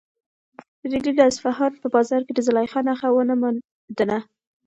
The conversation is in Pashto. رېدي د اصفهان په بازار کې د زلیخا نښه ونه مونده.